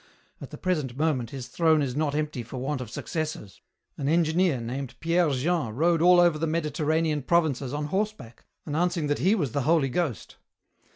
At the present moment his throne is not empty for want of successors. An engineer named Pierre Jean rode all over the Mediterranean provinces on horseback announcing that he was the Holy Ghost.